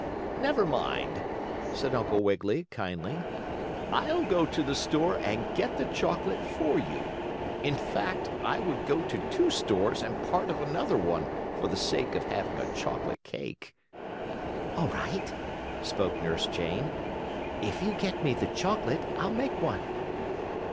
"Never mind," said Uncle Wiggily, kindly. "I'll go to the store and get the chocolate for you. In fact, I would go to two stores and part of another one for the sake of having a chocolate cake." "All right," spoke Nurse Jane. "If you get me the chocolate I'll make one."